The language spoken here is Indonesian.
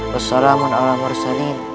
wassalamualaikum warahmatullahi wabarakatuh